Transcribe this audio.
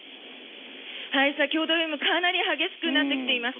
先ほどよりもかなり激しくなってきています。